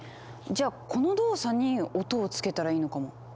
じゃあこの動作に音をつけたらいいのかも。